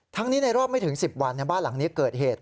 นี้ในรอบไม่ถึง๑๐วันบ้านหลังนี้เกิดเหตุ